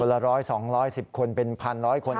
ก่อนละร้อยสองร้อยสี่สิบคนเป็นพันร้อยคน